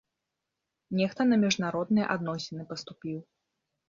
Нехта на міжнародныя адносіны паступіў.